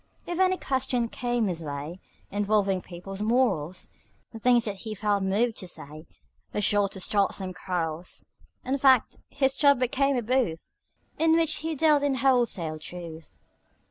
If any question came his way Involving people's morals, The things that he felt moved to say Were sure to start some quarrels. In fact, his tub became a booth In which he dealt in wholesale truth.